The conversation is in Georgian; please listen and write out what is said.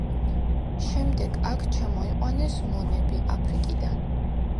შემდეგ აქ ჩამოიყვანეს მონები აფრიკიდან.